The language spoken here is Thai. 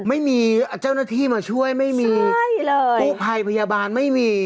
ไม่มีเจ้าหน้าที่มาช่วยไม่มีกู้ภัยพยาบาลไม่มี